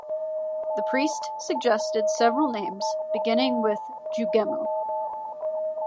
The priest suggested several names, beginning with "Jugemu".